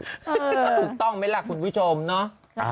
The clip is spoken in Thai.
ก็ถูกต้องไหมล่ะคุณผู้ชมเนาะ